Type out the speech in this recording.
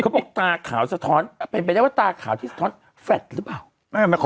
ปรับแสงแล้วคือชัดมาก